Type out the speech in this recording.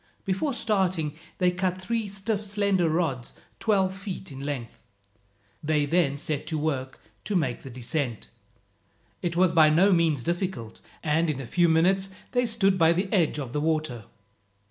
Before starting they cut three stiff slender rods twelve feet in length. They then set to work to make the descent. It was by no means difficult, and in a few minutes they stood by the edge of the water.